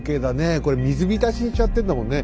これ水浸しにしちゃってんだもんね。